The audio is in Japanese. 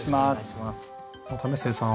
為末さん